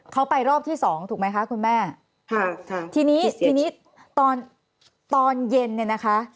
เขาไปรอบที่๒ถูกไหมคะคุณแม่ทีนี้ตอนเย็นเนี่ยนะคะ